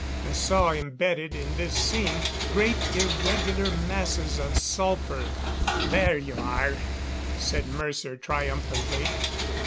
I saw embedded in this seam great irregular masses of sulphur. "There you are," said Mercer triumphantly.